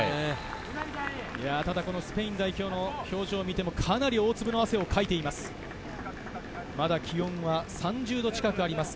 スペイン代表の表情を見ても、かなり大粒の汗をかいています。